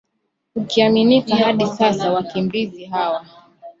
ikiaminika hadi sasa wakimbizi hawa